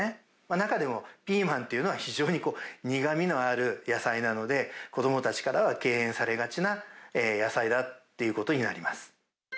中でもピーマンっていうのは、非常にこう、苦みのある野菜なので、子どもたちからは敬遠されがちな野菜だっていうことになります。